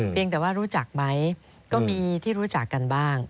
แต่ว่ารู้จักไหมก็มีที่รู้จักกันบ้าง